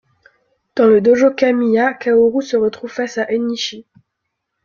Dans le dōjō Kamiya, Kaoru se retrouve face à Enishi.